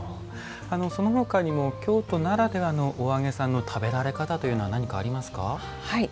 そのほかにも京都ならではのお揚げさんの食べられ方というのは何かありますか？